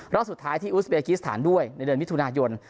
รอบสุดท้ายที่อุสเบกิสถานด้วยในเดือนมิถุนายน